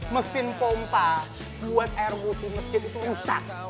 mesin pompa buat air muti mesin itu rusak